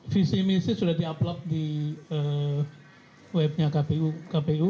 visi misi sudah di upload di webnya kpu